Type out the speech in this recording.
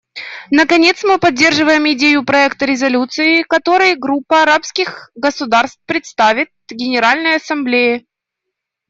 Наконец, мы поддерживаем идею проекта резолюции, который Группа арабских государств представит Генеральной Ассамблее.